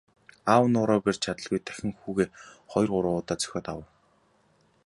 Аав нь уураа барьж чадалгүй дахин хүүгээ хоёр гурван удаа цохиод авав.